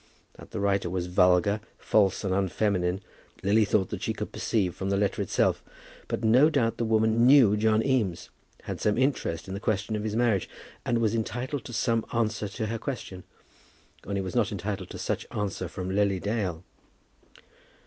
That the writer was vulgar, false, and unfeminine, Lily thought that she could perceive from the letter itself; but no doubt the woman knew John Eames, had some interest in the question of his marriage, and was entitled to some answer to her question; only was not entitled to such answer from Lily Dale.